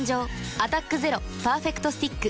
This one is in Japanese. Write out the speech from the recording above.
「アタックＺＥＲＯパーフェクトスティック」